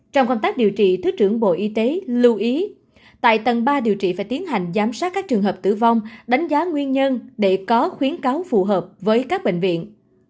trong công tác điều trị thứ trưởng bộ y tế lưu ý tại tầng ba điều trị phải tiến hành giám sát các trường hợp tử vong đánh giá nguyên nhân để có khuyến cáo phù hợp với các bệnh viện